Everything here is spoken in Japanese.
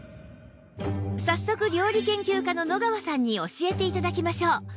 早速料理研究家の野川さんに教えて頂きましょう